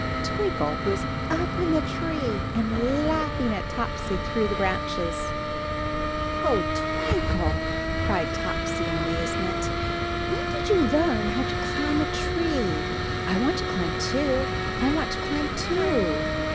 Twinkle was up in a tree and laughing at Topsy through the branches. "Oh, Twinkle," cried Topsy in amaze ment, "when did you learn how to climb a tree? I want to climb, too; I want to climb, too.